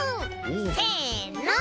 せの。